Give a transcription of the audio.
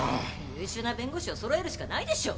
優秀な弁護士を揃えるしかないでしょ。